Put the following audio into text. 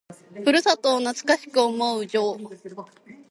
故郷を懐かしく思う情。